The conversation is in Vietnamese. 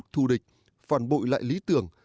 thù địch phản bội lại lý tưởng